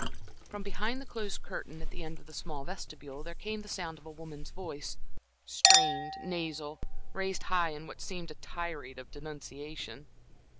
From behind the closed curtain at the end of the small vestibule, there came the sound of a woman's voice, strained, nasal, raised high in what seemed a tirade of denunciation.